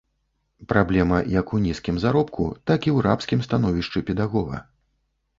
Праблема як у нізкім заробку, так і ў рабскім становішчы педагога.